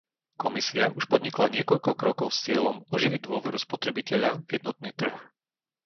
Komisia už podnikla niekoľko krokov s cieľom oživiť dôveru spotrebiteľa v jednotný trh.